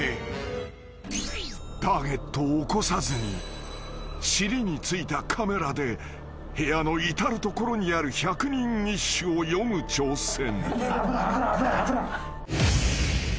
［ターゲットを起こさずに尻についたカメラで部屋の至る所にある百人一首を詠む挑戦］